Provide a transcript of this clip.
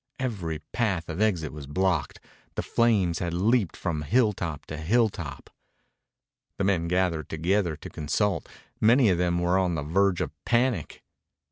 Every path of exit was blocked. The flames had leaped from hilltop to hilltop. The men gathered together to consult. Many of them were on the verge of panic.